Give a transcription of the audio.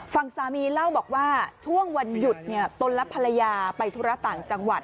ฝั่งสามีเล่าบอกว่าช่วงวันหยุดตนและภรรยาไปธุระต่างจังหวัด